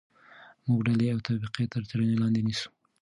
موږ ډلې او طبقې تر څېړنې لاندې نیسو.